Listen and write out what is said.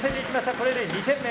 これで２点目。